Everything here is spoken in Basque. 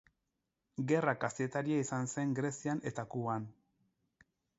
Gerra-kazetaria izan zen Grezian eta Kuban.